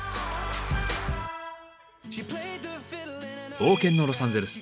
冒険のロサンゼルス。